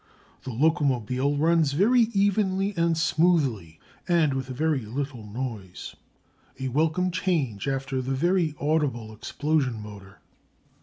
The locomobile runs very evenly and smoothly, and with very little noise, a welcome change after the very audible explosion motor.